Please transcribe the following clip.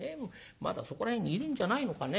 まだそこら辺にいるんじゃないのかね。